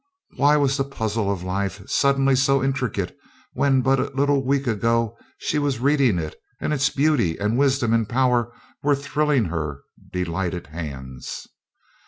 Why was the puzzle of life suddenly so intricate when but a little week ago she was reading it, and its beauty and wisdom and power were thrilling her delighted hands?